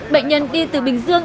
bệnh nhân đi từ bình dương